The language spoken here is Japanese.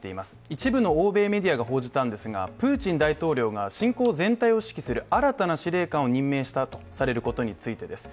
一部の欧米メディアが報じたんですが、プーチン大統領が侵攻全体を指揮する新たな司令官を任命したとされることについてです。